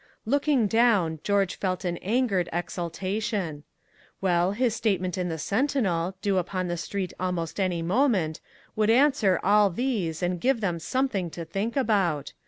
Looking down, George felt an angered exultation. Well, his statement in the Sentinel, due upon the street almost any moment, would answer all these and give them something to think about!